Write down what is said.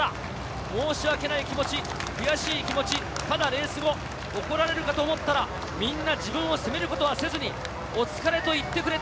申し訳ない気持ち、悔しい気持ち、ただレース後、怒られるかと思ったら、みんな自分を責めることはせずに、お疲れと言ってくれた。